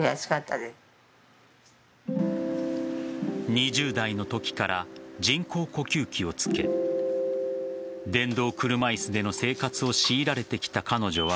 ２０代のときから人工呼吸器をつけ電動車椅子での生活を強いられてきた彼女は